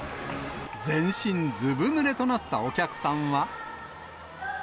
全身ずぶぬれとなったお客さんは。